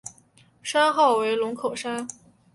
山号为龙口山。